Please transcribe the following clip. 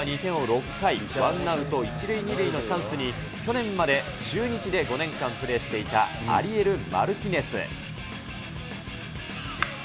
６回、ワンアウト１塁２塁のチャンスに、去年まで中日で５年間プレーしていたアリエル・マルティネス。